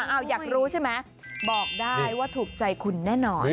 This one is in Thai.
อยากรู้ใช่ไหมบอกได้ว่าถูกใจคุณแน่นอน